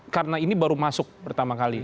karena ini baru masuk pertama kali